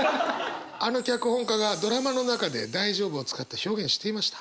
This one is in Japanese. あの脚本家がドラマの中で“大丈夫”を使った表現していました。